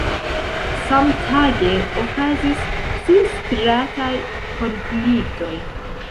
Samtage okazis surstrataj konfliktoj.